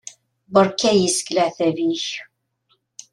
Beṛka-yi seg leɛtab-ik!